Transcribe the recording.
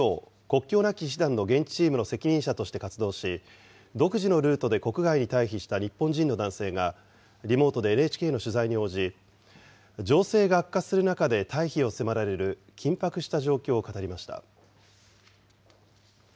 アフリカのスーダンで国際ＮＧＯ国境なき医師団の現地チームの責任者として活動し、独自のルートで国外に退避した日本人の男性がリモートでＮＨＫの取材に応じ、情勢が悪化する中で退避を迫られる緊迫した状況を語りました。